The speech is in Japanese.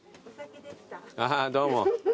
ああどうも。